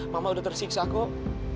mama udah tersiksa kok